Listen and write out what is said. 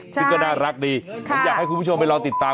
ใช่ที่ก็น่ารักดีค่ะอยากให้คุณผู้ชมไปลองติดตาม